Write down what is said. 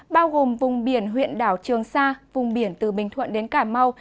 bao gồm vùng biển huyện đảo trường sa vùng biển từ bình thuận đến cà mau